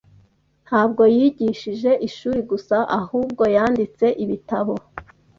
Ntabwo yigishije ishuri gusa, ahubwo yanditse ibitabo.